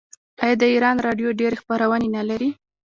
آیا د ایران راډیو ډیرې خپرونې نلري؟